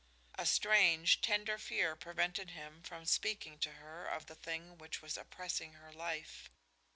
A strange, tender fear prevented him from speaking to her of the thing which was oppressing her life.